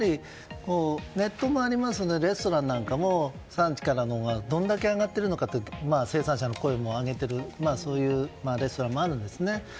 ネットもありますのでレストランなんかも産地からどのぐらい上がっているのかと生産者の声も上げているレストランもあるんですね。